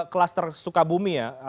klaster sukabumi ya